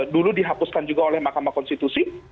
dulu dihapuskan juga oleh mahkamah konstitusi